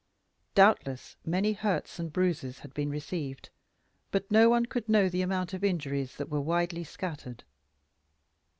Doubtless many hurts and bruises had been received, but no one could know the amount of injuries that were widely scattered.